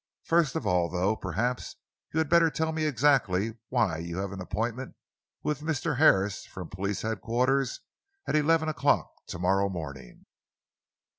First of all, though, perhaps you had better tell me exactly why you have an appointment with Mr. Harrison, from Police Headquarters, at eleven o'clock to morrow morning?"